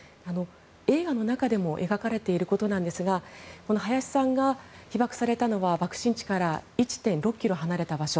映画の中でも描かれていることなんですが早志さんが、被爆されたのは爆心地から１．６ｋｍ離れた場所。